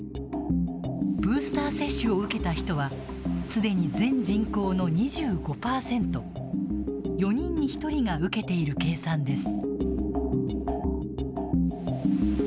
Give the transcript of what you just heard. ブースター接種を受けた人はすでに全人口の２５％４人に１人が受けている計算です。